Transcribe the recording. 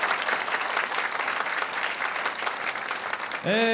え